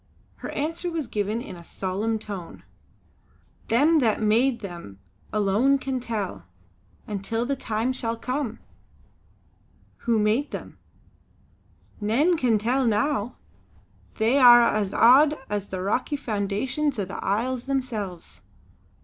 Her answer was given in a solemn tone: "Them that made them alone can tell; until the time shall come!" "Who made them?" "Nane can now tell. They are as aud as the rocky foundations o' the isles themselves."